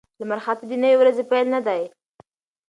لمرخاته د نوې ورځې پیل نه دی.